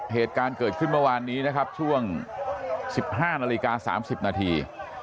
เหตุการณ์เกิดขึ้นเมื่อวานนี้นะครับช่วง๑๕นาฬิกา๓๐นาที